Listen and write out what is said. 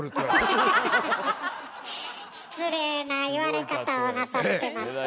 失礼な言われ方をなさってます。